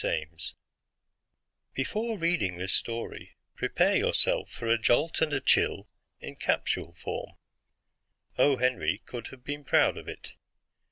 net _Before reading this story, prepare yourself for a jolt and a chill in capsule form. O. Henry could have been proud of it.